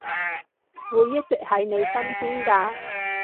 會一直喺你身邊㗎